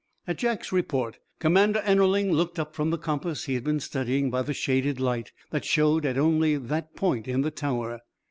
At Jack's report Commander Ennerling looked up from the compass he had been studying by the shaded light that showed at only that point in the tower.